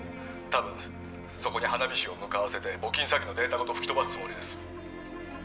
たぶんそこに花火師を向かわせて募金詐欺のデータごと吹き飛ばすつもりです